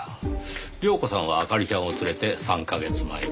亮子さんは明里ちゃんを連れて３カ月前に。